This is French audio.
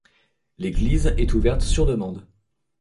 L'église est ouverte sur demande.